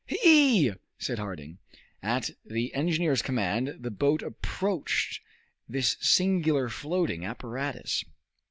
"He!" said Harding. At the engineer's command the boat approached this singular floating apparatus.